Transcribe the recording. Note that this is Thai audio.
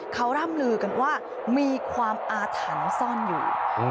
เขาร่ำลือกันว่ามีความอาถรรพ์ซ่อนอยู่